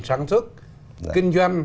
sản xuất kinh doanh